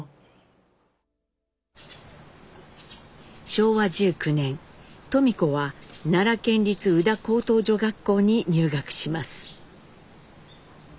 昭和１９年登美子は奈良県立宇陀高等女学校に入学します。